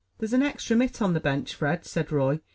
"There's an extra mitt on the bench, Fred," said Roy.